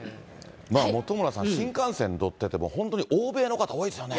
本村さん、新幹線乗ってても本当に欧米の方、多いですよね。